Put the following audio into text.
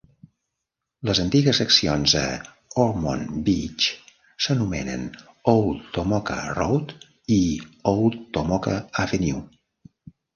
Les antigues seccions a Ormond Beach s'anomenen "Old Tomoka Road" i "Old Tomoka Avenue".